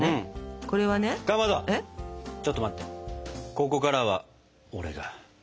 ここからは俺が。